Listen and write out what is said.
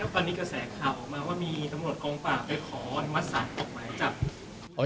วันนี้กระแสข่าวออกมาว่ามีตำรวจกองฝ่าไปขอมัศรออกมาจับ